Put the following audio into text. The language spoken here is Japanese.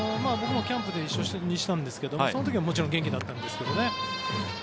僕もキャンプで一緒に練習したんですけどその時はもちろん元気だったんですけど。